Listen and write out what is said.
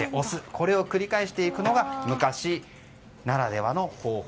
これを繰り返していくのが昔ならではの方法